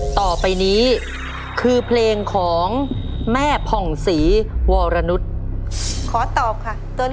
จะได้ดูดเงินล้านกันในข้อต่อไปนะคะ